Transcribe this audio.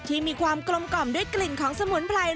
ที่มีความกลมกล่อมด้วยกลิ่นของสมุนไพร